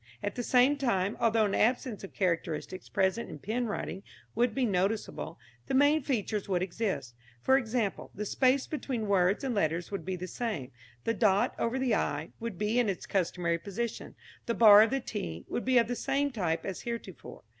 At the same time, although an absence of characteristics present in pen writing would be noticeable, the main features would exist: for example, the space between words and letters would be the same; the dot over the i would be in its customary position; the bar of the t would be of the same type as heretofore.